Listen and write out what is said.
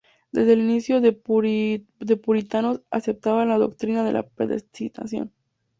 Desde el inicio los puritanos aceptaban la doctrina de la predestinación.